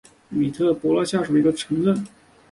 米尔斯伯勒下属的一座城镇。